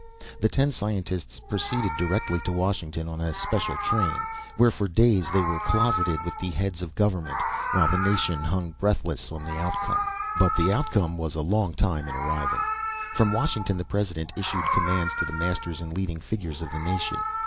The ten scientists proceeded directly to Washington on a special train, where, for days, they were closeted with the heads of government, while the nation hung breathless on the outcome. But the outcome was a long time in arriving. From Washington the President issued commands to the masters and leading figures of the nation.